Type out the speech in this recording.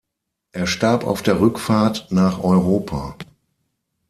Er starb auf der Rückfahrt nach Europa.